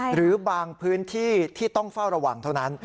หรือบางพื้นที่ที่ต้องเฝ้าระวังเท่านั้น